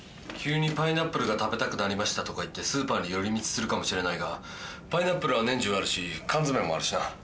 急にパイナップルが食べたくなりましたとか言ってスーパーに寄り道するかもしれないがパイナップルは年中あるし缶詰もあるしな！